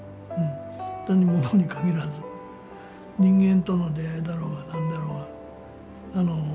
単に物に限らず人間との出会いだろうが何だろうが